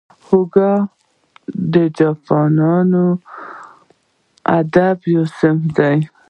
هایکو د جاپاني ادب یو صنف دئ.